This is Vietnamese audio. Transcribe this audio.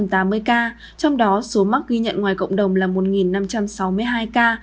trong đó số mắc ghi nhận ngoài cộng đồng là một năm trăm sáu mươi hai ca